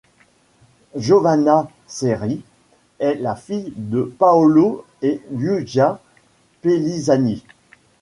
Giovanna Cerri est la fille de Paolo et Luigia Pellizzani.